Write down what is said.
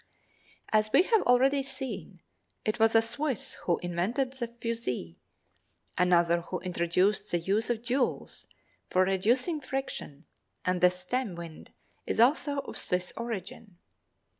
As we have already seen, it was a Swiss who invented the fusee, another who introduced the use of jewels for reducing friction and the stemwind is also of Swiss origin.